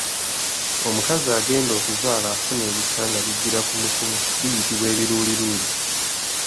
Omukazi agenda okuzaala afuna ebisa nga bijjira kumukumu biyitibwa ebiruliruli.